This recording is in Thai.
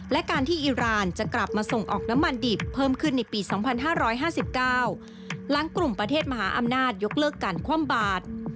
และการที่อิราณจะกลับมาส่งออกน้ำมันดิบเพิ่มขึ้นในปี๒๕๕๙หลังกลุ่มประเทศมหาอำนาจยกเลิกการคว่ำบาด